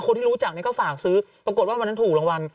คนที่รู้จักเนี่ยก็ฝากซื้อปรากฏว่าวันนั้นถูกรางวัล